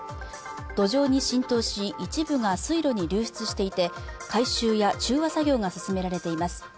土壌に浸透し一部が水路に流出していて回収や中和作業が進められています